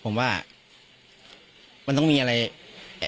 กลุ่มวัยรุ่นกลัวว่าจะไม่ได้รับความเป็นธรรมทางด้านคดีจะคืบหน้า